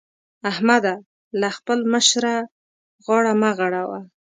احمده! له خپل مشره غاړه مه غړوه.